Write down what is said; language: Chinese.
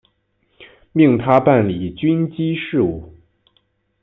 命他办理军机事务。